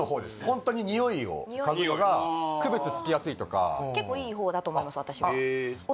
ホントにニオイを嗅ぐのが区別つきやすいとか結構いい方だと思います